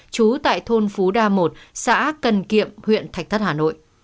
trú tại thôn phú đa một xã cần kiệm huyện thạch thất hà nội